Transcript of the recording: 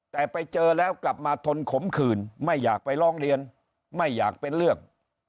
แต่ไปเจอแล้วกลับมาทนขมขืนไม่อยากไปร้องเรียนไม่อยากเป็นเรื่อง